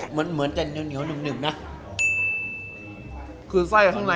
เหมือนกันเหนี่ยวเหนี่ยวหนึ่มอะ